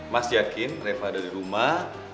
mas yakin reva ada di rumah